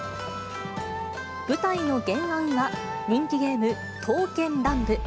舞台の原案は、人気ゲーム、刀剣乱舞。